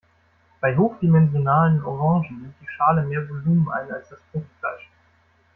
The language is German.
Bei hochdimensionalen Orangen nimmt die Schale mehr Volumen ein als das Fruchtfleisch.